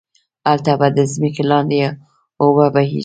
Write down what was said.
هلته به ده ځمکی لاندی اوبه بهيږي